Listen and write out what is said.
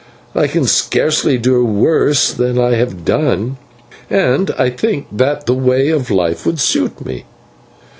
I can scarcely do worse than I have done, and I think that the way of life would suit me.